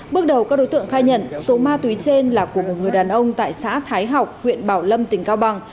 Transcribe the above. bước đầu các đối tượng khai nhận số ma túy trên là của một người đàn ông tại xã thái học huyện bảo lâm tỉnh cao bằng